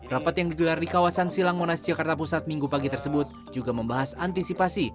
rapat yang digelar di kawasan silang monas jakarta pusat minggu pagi tersebut juga membahas antisipasi